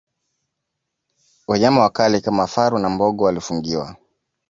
Wanyama wakali kama faru na mbogo walifungiwa